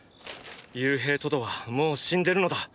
勇兵トドはもう死んでるのだ。